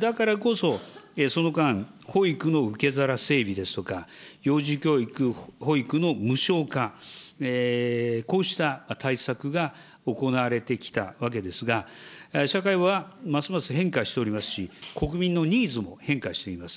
だからこそ、その間、保育の受け皿整備ですとか、幼児教育、保育の無償化、こうした対策が行われてきたわけですが、社会はますます変化しておりますし、国民のニーズも変化しています。